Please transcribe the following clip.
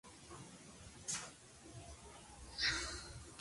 Durante su gobierno se creó la actual bandera nacional de Canadá.